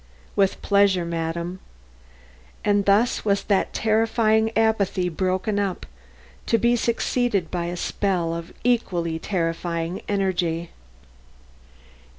"With pleasure, madam." And thus was that terrifying apathy broken up, to be succeeded by a spell of equally terrifying energy.